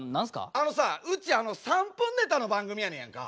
あのさうち３分ネタの番組やねんやんか。